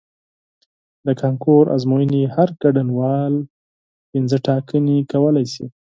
د کانکور ازموینې هر ګډونوال پنځه ټاکنې کولی شي.